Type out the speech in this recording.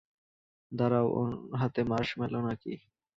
দাঁড়াও, ওর হাতে মার্শম্যালো না কি?